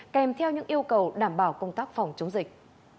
kèm theo những yêu cầu đảm bảo công tác phòng chống dịch